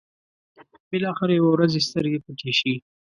بلاخره يوه ورځ يې سترګې پټې شي.